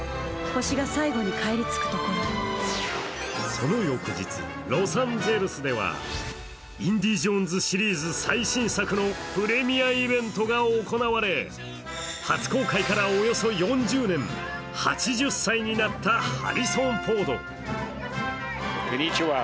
その翌日、ロサンゼルスでは「インディ・ジョーンズ」シリーズ最新作のプレミアイベントが行われ初公開からおよそ４０年８０歳になったハリソン・フォード。